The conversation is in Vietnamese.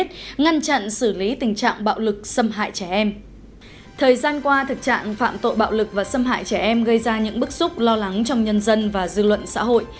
thời gian qua thực trạng phạm tội bạo lực và xâm hại trẻ em gây ra những bức xúc lo lắng trong nhân dân và dư luận xã hội